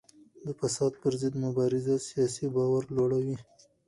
د فساد پر ضد مبارزه سیاسي باور لوړوي